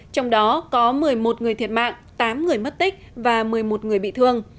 trong đó có một mươi một người thiệt mạng tám người mất tích và một mươi một người bị thương